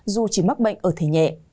dù chỉ mắc bệnh ở thể nhẹ